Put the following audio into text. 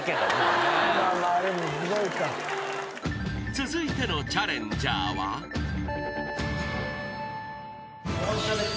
［続いてのチャレンジャーは］お願いします。